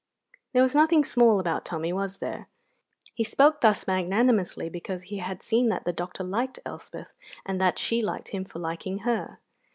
There was nothing small about Tommy, was there? He spoke thus magnanimously because he had seen that the doctor liked Elspeth, and that she liked him for liking her.